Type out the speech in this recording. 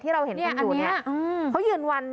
ที่เราเห็นคุณอยู่เนี่ยเขายืนวัน